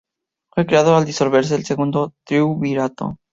Fue creado al disolverse el Segundo Triunvirato.